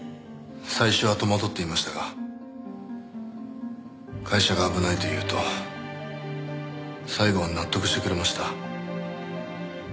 最初は戸惑っていましたが会社が危ないと言うと最後は納得してくれました。